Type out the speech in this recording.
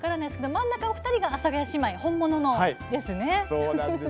真ん中のお二人が本物の阿佐ヶ谷姉妹ですね。